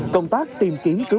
công tác tìm kiếm cứu nạn cứu hộ